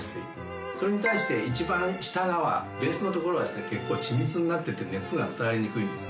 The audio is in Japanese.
それに対して一番下側ベースの所はですね結構緻密になってて熱が伝わりにくいんですね。